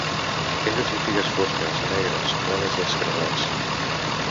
Aquelles botigues fosques, negres, plenes d'escarbats